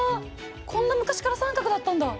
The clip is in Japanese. こんな昔から三角だったんだ。